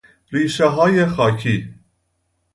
ریشه های خاکی